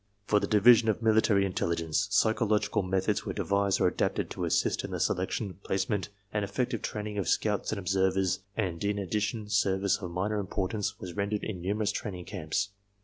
^ For the Division of Military Intelligence psychological methods were devised or adapted to assist in the selection, placement and effective training of scouts and observers and in addition service of minor importance was rendered in numerous training camps.